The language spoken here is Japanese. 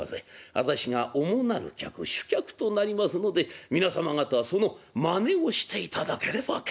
私が主なる客主客となりますので皆様方はそのまねをしていただければ結構」。